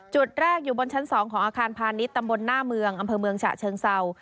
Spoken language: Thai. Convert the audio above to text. จุดแรกอยู่บนชั้น๒ของอาคารพาณิชย์ตำบลหน้าเมืองอำเภอเมืองฉะเชิงเศร้า